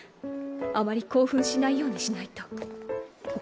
あまり興奮しないようにしないと。